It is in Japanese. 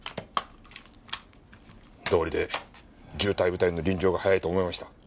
どうりで銃対部隊の臨場が早いと思いました。